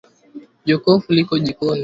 Jokofu liko jikoni